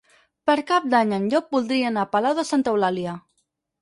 Per Cap d'Any en Llop voldria anar a Palau de Santa Eulàlia.